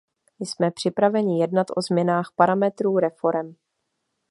Jsme připraveni jednat o změnách parametrů reforem.